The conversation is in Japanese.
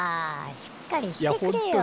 しっかりしてくれよ。